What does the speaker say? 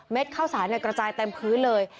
เม็ดเข้าสารเนี่ยกระจายเต็มพื้นเลย